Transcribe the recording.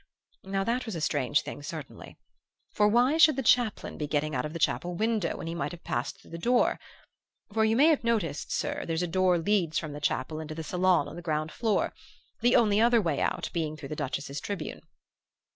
Now that was a strange thing, certainly; for why should the chaplain be getting out of the chapel window when he might have passed through the door? For you may have noticed, sir, there's a door leads from the chapel into the saloon on the ground floor; the only other way out being through the Duchess's tribune.